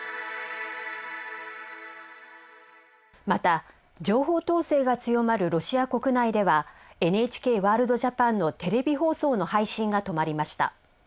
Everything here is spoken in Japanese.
また情報統制が強まるロシア国内では「ＮＨＫワールドＪＡＰＡＮ」のテレビ放送の配信が止まりました。